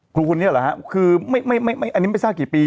คลุมคนนี้แหละครับคือมึงไม่ทราบกี่ปี